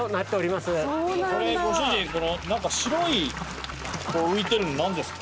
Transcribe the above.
これご主人何か白い浮いてるの何ですか？